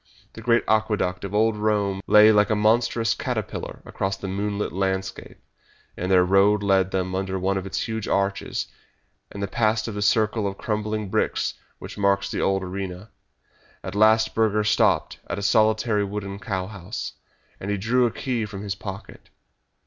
The great Aqueduct of old Rome lay like a monstrous caterpillar across the moonlit landscape, and their road led them under one of its huge arches, and past the circle of crumbling bricks which marks the old arena. At last Burger stopped at a solitary wooden cow house, and he drew a key from his pocket.